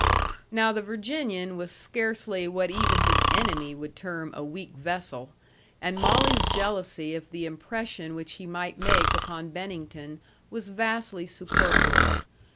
Now the Virginian was scarcely what even his enemy would term a weak vessel; and Molly's jealousy of the impression which he might make upon Bennington was vastly superfluous.